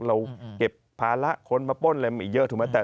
เราเก็บภาระคนมาป้นอะไรมาอีกเยอะถูกไหม